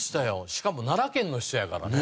しかも奈良県の人やからね。